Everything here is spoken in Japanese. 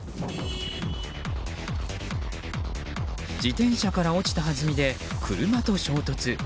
自転車から落ちたはずみで車と衝突。